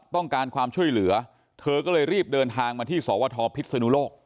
ต้องการความช่วยเหลือเธอก็เลยรีบเดินทางมาที่สวทพิศนุโลก